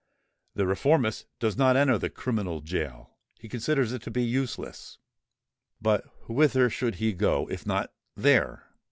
The reformist does not enter the criminal gaol: he considers it to be useless. But whither should he go, if not there?